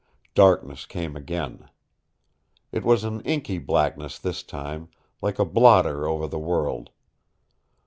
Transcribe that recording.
Darkness came again. It was an inky blackness this time, like a blotter over the world.